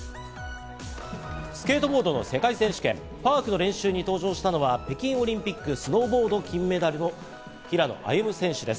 スケートボードの世界選手権、パークの練習に登場したのは北京オリンピックスノーボード金メダルの平野歩夢選手です。